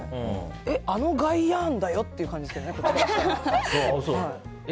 あのガイヤーンだよ？って感じですけどねえ？